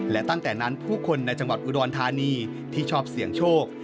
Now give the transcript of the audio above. และตั้งแต่นั้นผู้คนในจังหวัดอุดรธานีที่ชอบเสี่ยงโชค